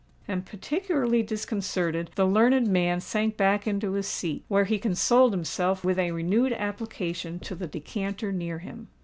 And, particularly disconcerted, the learned man sank back into his seat, where he consoled himself with a renewed application to the decanter near him.